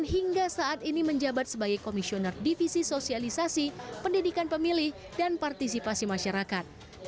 dan hingga saat ini menjabat sebagai komisioner divisi sosialisasi pendidikan pemilih dan partisipasi masyarakat